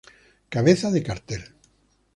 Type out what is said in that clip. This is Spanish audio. Cabeza de cartel